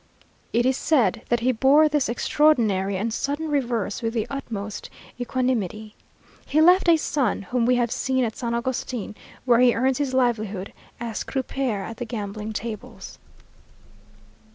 It is said that he bore this extraordinary and sudden reverse with the utmost equanimity. He left a son, whom we have seen at San Agustin, where he earns his livelihood as croupier at the gambling tables.